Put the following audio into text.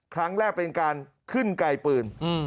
ครั้งแรกเป็นการขึ้นไกลปืน